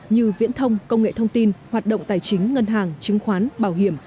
như viễn thông công nghệ thông tin hoạt động tài chính ngân hàng chứng khoán bảo hiểm